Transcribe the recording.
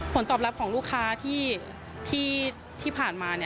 ผลตอบรับของลูกค้าที่ผ่านมา